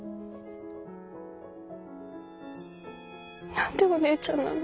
何でお姉ちゃんなの。